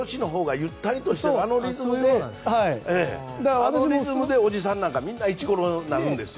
ゆったりとしてあのリズムでおじさんなんかみんないちころになるんですよ。